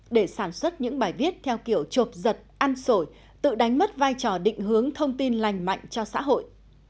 để sản xuất những bài viết theo kiểu chộp giật ăn sổi tự đánh mất vai trò định hướng thông tin lành mạnh cho xã hội